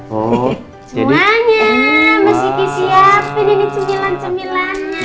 mas kiki siapin ini cemilang cemilangnya